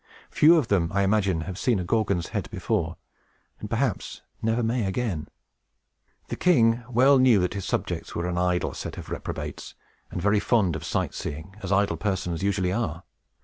Few of them, I imagine, have seen a Gorgon's head before, and perhaps never may again!" The king well knew that his subjects were an idle set of reprobates, and very fond of sight seeing, as idle persons usually are.